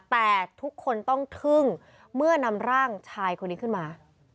แต่ทุกคนต้องทึ่งเมื่อนำร่างชายคนนี้ขึ้นมา